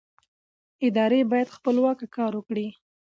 ادارې باید خپلواکه کار وکړي